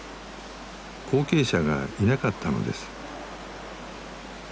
後継者がいなかったのです。